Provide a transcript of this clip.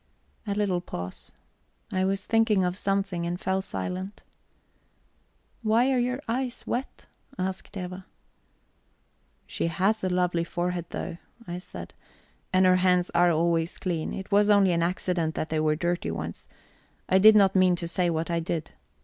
A little pause. I was thinking of something, and fell silent. "Why are your eyes wet?" asked Eva. "She has a lovely forehead, though," I said, "and her hands are always clean. It was only an accident that they were dirty once. I did not mean to say what I did."